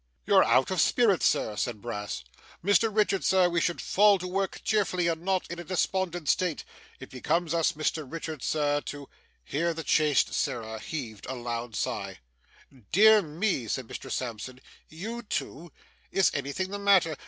'You're out of spirits, sir,' said Brass. 'Mr Richard, sir, we should fall to work cheerfully, and not in a despondent state. It becomes us, Mr Richard, sir, to ' Here the chaste Sarah heaved a loud sigh. 'Dear me!' said Mr Sampson, 'you too! Is anything the matter?